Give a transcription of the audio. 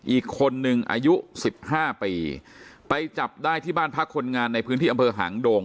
อีกคนนึงอายุสิบห้าปีไปจับได้ที่บ้านพักคนงานในพื้นที่อำเภอหางดง